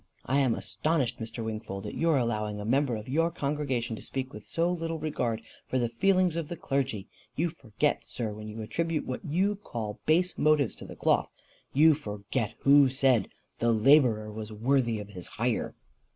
I am astonished, Mr. Wingfold, at your allowing a member of your congregation to speak with so little regard for the feelings of the clergy. You forget, sir, when you attribute what you call base motives to the cloth you forget who said the labourer was worthy of his hire."